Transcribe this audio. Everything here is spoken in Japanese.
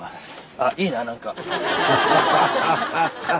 あいいな何か。